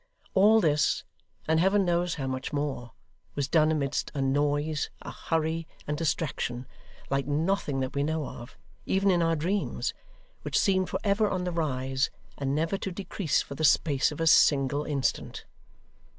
All this, and Heaven knows how much more, was done amidst a noise, a hurry, and distraction, like nothing that we know of, even in our dreams; which seemed for ever on the rise, and never to decrease for the space of a single instant.